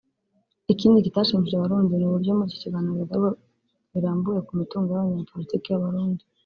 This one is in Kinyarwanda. Ikindi kitashimishije Abarundi ni uburyo muri icyo kiganiro bagaruka birambuye ku mitungo y’abanyepolitiki b’Abarundi